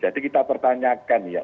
jadi kita pertanyakan ya